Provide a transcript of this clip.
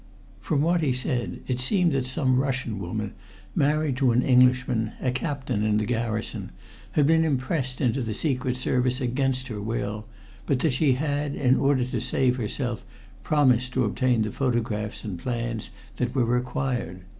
From what he said, it seemed that some Russian woman, married to an Englishman, a captain in the garrison, had been impressed into the secret service against her will, but that she had, in order to save herself, promised to obtain the photographs and plans that were required.